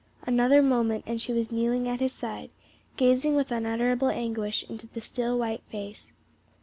Another moment and she was kneeling at his side, gazing with unutterable anguish into the still white face.